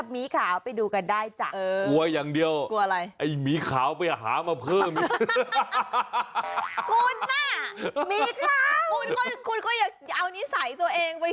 มีขาวไปทำลูกสภัยท้อง